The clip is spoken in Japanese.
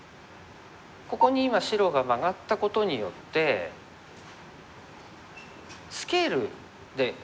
ここに今白がマガったことによってスケールで負けない。